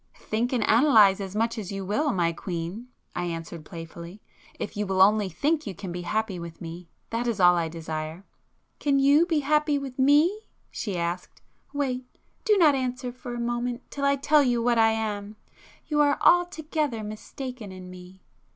"Think and analyse as much as you will, my queen,"—I answered playfully—"if you will only think you can be happy with me. That is all I desire." "Can you be happy with me?" she asked—"Wait—do not answer for a moment, till I tell you what I am. You are altogether mistaken in me."